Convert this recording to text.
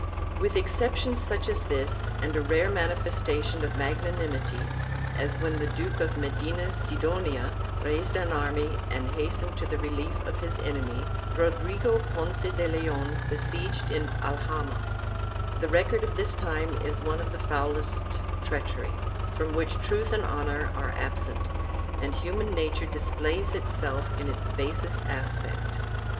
2 With exceptions such as this, and a rare manifestation of magnanimity, as when the Duke of Medina Sidonia raised an army and hastened to the relief of his enemy, Rodrigo Ponce de Leon besieged in Alhama,3 the record of the time is one of the foulest treachery, from which truth and honor are absent and human nature displays itself in its basest aspect.